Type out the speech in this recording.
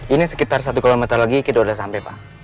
ini sekitar satu kilometer lagi kita udah sampai pak